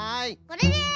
これです。